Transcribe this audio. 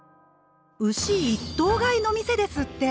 「牛一頭買いの店」ですって。